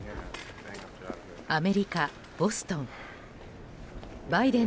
アメリカ・ボストン。